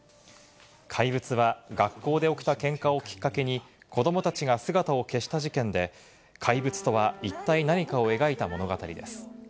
怪物は学校で起きたケンカをきっかけに子供たちが姿を消した事件で、怪物とは一体何かを描いた物語です。